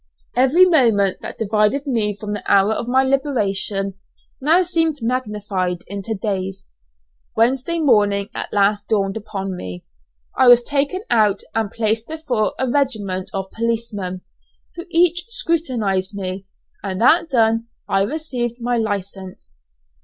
Every moment that divided me from the hour of my liberation now seemed magnified into days. Wednesday morning at last dawned upon me. I was taken out and placed before a regiment of policemen, who each scrutinized me, and that done I received my license.